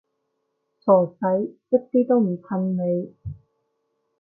傻仔，一啲都唔襯你